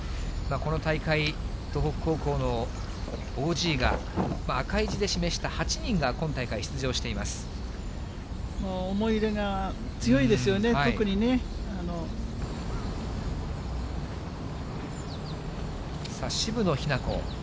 この大会、東北高校のＯＧが、赤い字で示した８人が今大会、出思い入れが強いですよね、特さあ、渋野日向子。